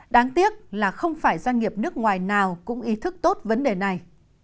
đáng tiếc là không phải doanh nghiệp nước ngoài nào cũng ý thức tốt vấn đề này